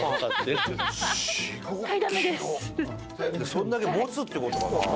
それだけ持つって事かな？